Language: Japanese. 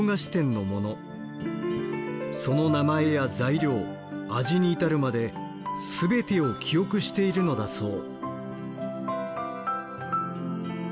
その名前や材料味に至るまで全てを記憶しているのだそう。